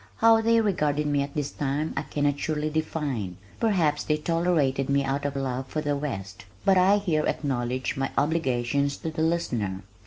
How they regarded me at that time I cannot surely define perhaps they tolerated me out of love for the West. But I here acknowledge my obligation to "The Listener."